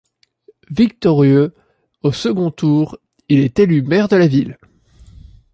Victorieux au second tour, il est élu maire de la ville.